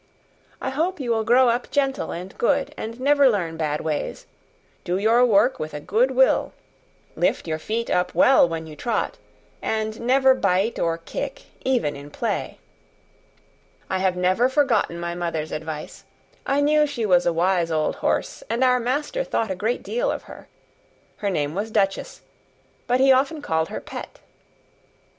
I hope you will grow up gentle and good, and never learn bad ways; do your work with a good will, lift your feet up well when you trot, and never bite or kick even in play." I have never forgotten my mother's advice; I knew she was a wise old horse, and our master thought a great deal of her. Her name was Duchess, but he often called her Pet.